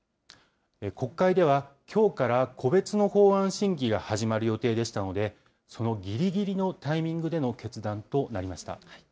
国会では、きょうから個別の法案審議が始まる予定でしたので、そのぎりぎりのタイミングでの決断となりました。